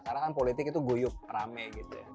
karena kan politik itu guyup rame gitu ya